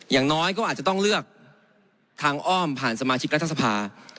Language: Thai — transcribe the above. อย่างน้อยก็อาจจะต้องเลือกทางอ้อมผ่านสมาชิกรัฐสภา